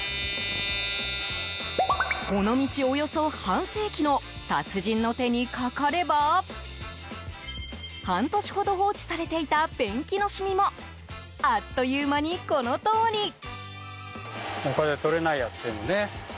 この道およそ半世紀の達人の手にかかれば半年ほど放置されていたペンキのシミもあっという間にこのとおり。